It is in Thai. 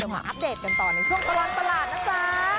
เดี๋ยวขออัปเดตกันต่อในช่วงตลอดประหลาดนะจ๊ะ